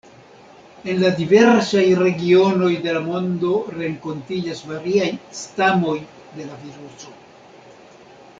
En la diversaj regionoj de la mondo renkontiĝas variaj stamoj de la viruso.